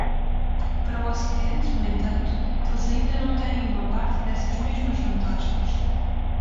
Para o Ocidente, no entanto, eles ainda não têm uma parte dessas mesmas vantagens.